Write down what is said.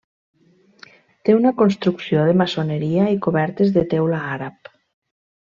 Té una construcció de maçoneria i cobertes de teula àrab.